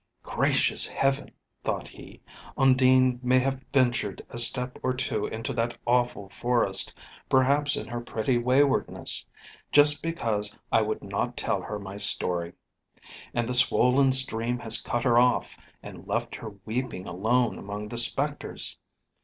"Gracious Heaven!" thought he, "Undine may have ventured a step or two into that awful forest perhaps in her pretty waywardness, just because I would not tell her my story and the swollen stream has cut her off, and left her weeping alone among the spectres!"